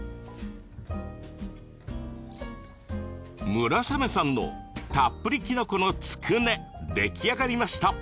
村雨さんのたっぷりきのこのつくね出来上がりました。